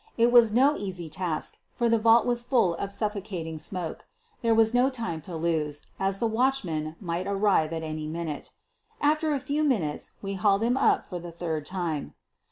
It was no easy task, for the vault was full of suffocating smoke. There was no time to lose, as the watchman might return at any minute. After a few minutes we hauled him up for the third time.